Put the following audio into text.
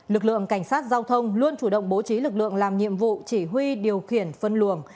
lực lượng cảnh sát giao thông luôn chủ động bố trí lực lượng làm nhiệm vụ chỉ huy điều khiển phân luồng